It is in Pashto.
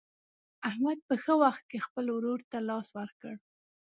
احمد په ښه وخت کې خپل ورور ته لاس ورکړ.